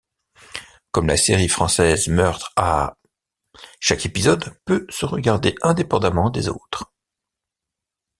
Comme la série française Meurtres à..., chaque épisode peut se regarder indépendamment des autres.